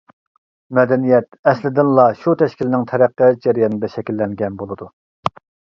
مەدەنىيەت ئەسلىدىلا شۇ تەشكىلنىڭ تەرەققىيات جەريانىدا شەكىللەنگەن بولىدۇ.